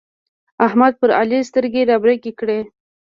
احمد پر علي سترګې رابرګې کړې.